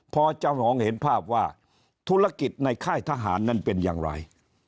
พอจะมองเห็นภาพว่าธุรกิจในค่ายทหารนั้นเป็นอย่างไร